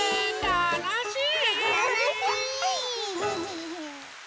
たのしい！